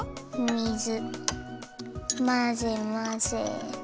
水まぜまぜ。